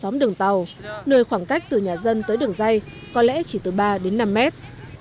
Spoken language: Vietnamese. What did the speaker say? trong đường tàu nơi khoảng cách từ nhà dân tới đường dây có lẽ chỉ từ ba đến năm mét